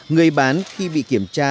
người bán khi bị kiểm tra